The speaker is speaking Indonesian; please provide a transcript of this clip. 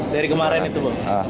dari kemarin itu bang